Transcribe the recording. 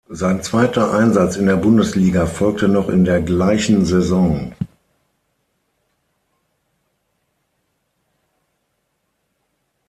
Sein zweiter Einsatz in der Bundesliga folgte noch in der gleichen Saison.